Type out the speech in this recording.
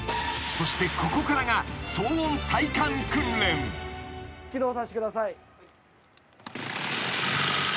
［そしてここからが］起動させてください。